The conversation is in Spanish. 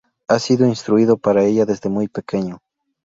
Ha sido instruido para ella desde muy pequeño.